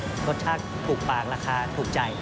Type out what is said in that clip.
รสชาติถูกปากราคาถูกใจ